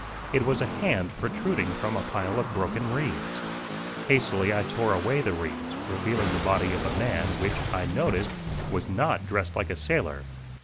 It was a hand protruding from a pile of broken reeds. Hastily I tore away the reeds, revealing the body of a man, which, I noticed, was not dressed like a sailor.